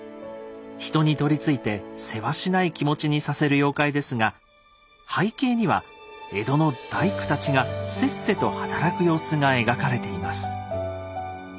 人に取りついてせわしない気持ちにさせる妖怪ですが背景には江戸の大工たちがせっせと働く様子が描かれています。